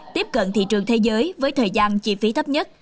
tiếp cận thị trường thế giới với thời gian chi phí thấp nhất